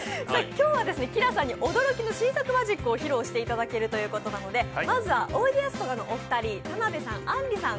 今日はＫｉＬａさんに驚きの新作マジックを披露していただけるということでまずは、おいでやすこがのお二人、田辺さん、あんりさん